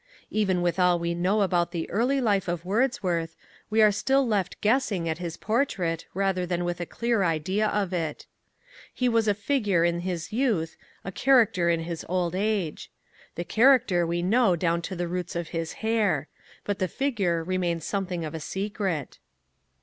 Even with all we know about the early life of Wordsworth, we are still left guessing at his portrait rather than with a clear idea of it. He was a figure in his youth, a character in his old age. The character we know down to the roots of his hair. But the figure remains something of a secret.